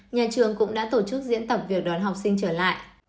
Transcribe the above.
nhà trường cũng đã tổ chức diễn tập việc đón học sinh trở lại